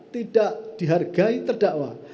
tidak dihargai terdakwa